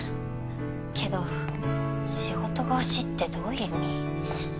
けど仕事が推しってどういう意味？